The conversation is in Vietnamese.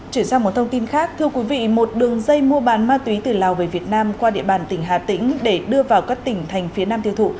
chuyển sang một thông tin khác thưa quý vị một đường dây mua bán ma túy từ lào về việt nam qua địa bàn tỉnh hà tĩnh để đưa vào các tỉnh thành phía nam tiêu thụ